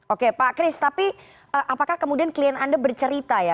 oke pak kris tapi apakah kemudian klien anda bercerita ya